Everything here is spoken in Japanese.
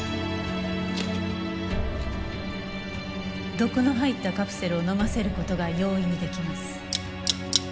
毒の入ったカプセルを飲ませる事が容易に出来ます。